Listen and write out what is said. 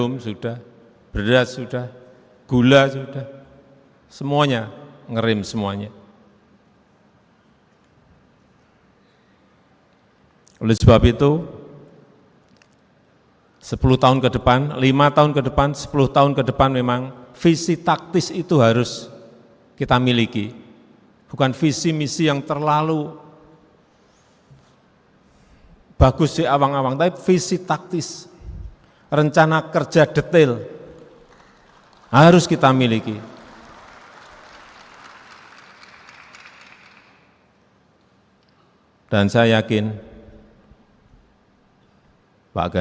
mereka selagi memetuhkan dan menutupnya besar's es yang sejarah yang aktualitas yang